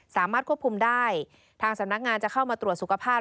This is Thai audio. สามารถควบคุมได้ทางสำนักงานจะเข้ามาตรวจสุขภาพ